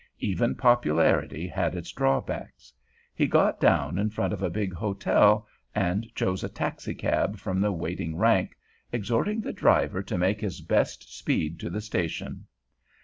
Even popularity had its drawbacks. He got down in front of a big hotel and chose a taxicab from the waiting rank, exhorting the driver to make his best speed to the station.